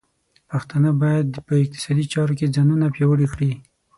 پښتانه بايد په اقتصادي چارو کې ځانونه پیاوړي کړي.